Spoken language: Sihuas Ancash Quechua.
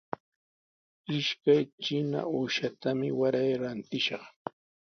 Ishkay trina uushatami waray rantishaq.